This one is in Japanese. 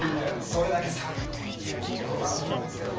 それだけさということがあったんですけど